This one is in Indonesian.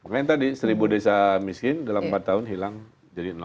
makanya tadi seribu desa miskin dalam empat tahun hilang jadi